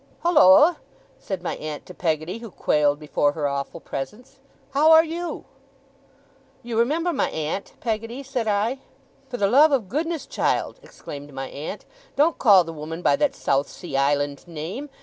'Holloa!' said my aunt to Peggotty, who quailed before her awful presence. 'How are YOU?' 'You remember my aunt, Peggotty?' said I. 'For the love of goodness, child,' exclaimed my aunt, 'don't call the woman by that South Sea Island name!